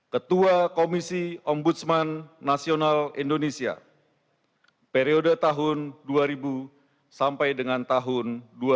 ketua komisi ombudsman nasional indonesia periode tahun dua ribu sampai dengan tahun dua ribu dua puluh